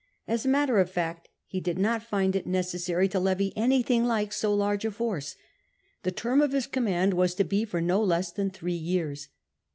As a matter of fact, he did not find it necessary 252 POMPEY to levy anything like so large a force. The term of his command was to be for no less than three years.